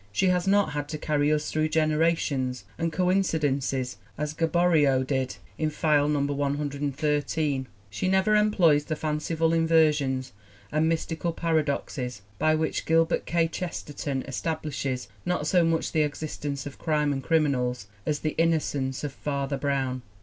She has not had to carry us through generations and coincidences as Gaboriau did in File No. 113. She never employs the fanciful inversions and mystical paradoxes by which Gilbert K. Chester ton establishes, not so much the existence of crime and criminals, as The Innocence of Father Brown.